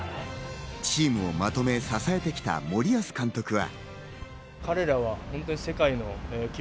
チームをまとめ支えてきた森保監督が。